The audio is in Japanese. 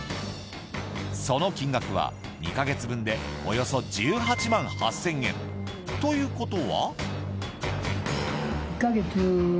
その金額は２か月分でおよそ１８万８０００円。ということは。